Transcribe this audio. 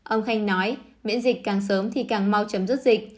ông khanh nói miễn dịch càng sớm thì càng mau chấm dứt dịch